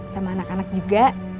sama anak anak juga